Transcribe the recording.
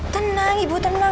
tenang ibu tenang